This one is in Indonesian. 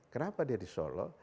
kenapa dia disolo